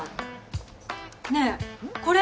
ねえこれ。